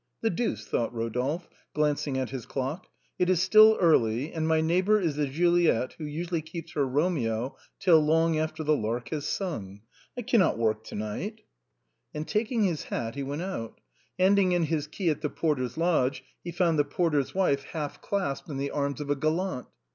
" The deuce," thought Eodolphe, glancing at his clock, " it is still early, and my neighbor is a Juliet, who usually keeps her Eomeo till long after the lark has sung. I can not work to night." And taking his hat he went out. Handing in his key at the porter's lodge he found the porter's wife half clasped in the arms of a gallant.